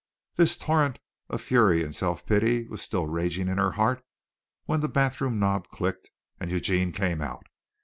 This torrent of fury and self pity was still raging in her heart when the bathroom knob clicked and Eugene came out.